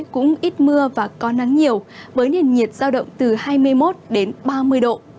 cũng ít mưa và có nắng nhiều với nền nhiệt giao động từ hai mươi một đến ba mươi độ